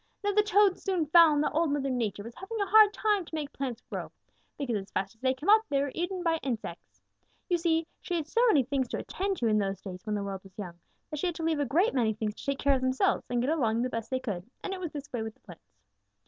"Now the Toads soon found that Old Mother Nature was having a hard time to make plants grow, because as fast as they came up, they were eaten by insects. You see, she had so many things to attend to in those days when the world was young that she had to leave a great many things to take care of themselves and get along the best they could, and it was this way with the plants.